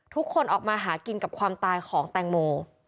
ทุกคนออกมาหากินกับความตายของแตงโม